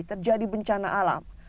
terjadi bencana alam